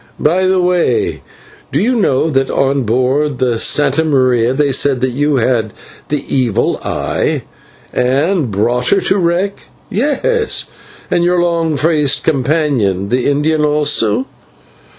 By the way, do you know that on board the /Santa Maria/ they said that you had the evil eye and brought her to wreck; yes, and your long faced companion, the Indian, also?"